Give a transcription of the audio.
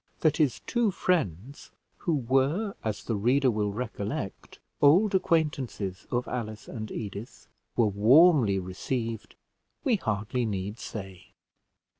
That his two friends, who were, as the reader will recollect, old acquaintances of Alice and Edith, were warmly received, we hardly need say.